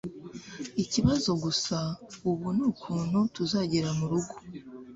ikibazo gusa ubu nukuntu tuzagera murugo